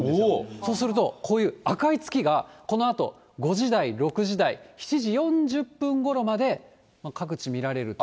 そうするとこういう赤い月がこのあと、５時台、６時台、７時４０分ごろまで各地見られると。